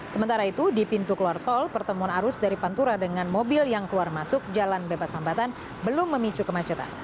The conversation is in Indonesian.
sementara itu di pintu keluar tol pertemuan arus dari pantura dengan mobil yang keluar masuk jalan bebas hambatan belum memicu kemacetan